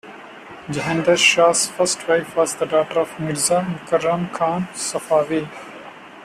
Jahandar Shah's first wife was the daughter of Mirza Mukarram Khan Safavi.